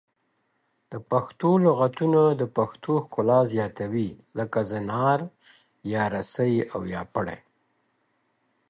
پښتو لغتونه د پښتو ښکلا زیاتوي لکه زنار یا رسۍ او یا پړی